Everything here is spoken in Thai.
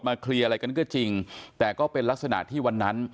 เคลียร์อะไรกันก็จริงแต่ก็เป็นลักษณะที่วันนั้น